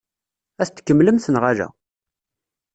Ad t-tkemmlemt neɣ ala?